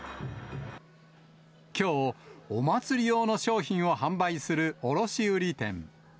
きょう、お祭り用の商品を販売する卸売り店。